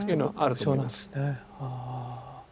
特徴なんですね。